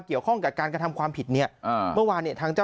เกี่ยวข้องกับการกระทำความผิดเนี่ยอ่าเมื่อวานเนี่ยทางเจ้า